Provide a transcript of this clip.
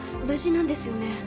無事なんですよね？